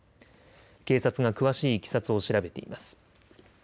警察が詳しいいきさつを調べています。